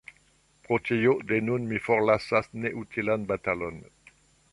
Pro tio, de nun mi forlasas neutilan batalon.